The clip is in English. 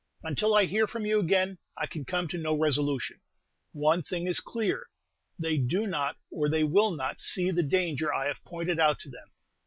Until I hear from you again I can come to no resolution. One thing is clear, they do not, or they will not, see the danger I have pointed out to them.